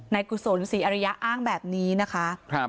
กุศลศรีอริยะอ้างแบบนี้นะคะ